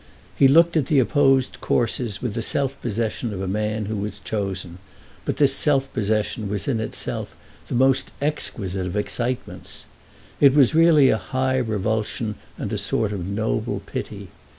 He looked at the opposed courses with the self possession of a man who has chosen, but this self possession was in itself the most exquisite of excitements. It was really a high revulsion and a sort of noble pity.